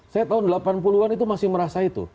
saya tahun delapan puluh an itu masih merasa itu